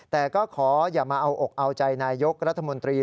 แต่ก็ขออย่ามาเอาอกเอาใจนายยกรัฐมนตรี